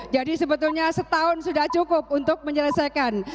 jadi sebetulnya setahun sudah cukup untuk menyelesaikan